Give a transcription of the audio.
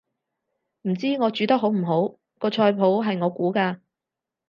唔知我煮得好唔好，個菜譜係我估嘅